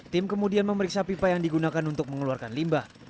tim kemudian memeriksa pipa yang digunakan untuk mengeluarkan limbah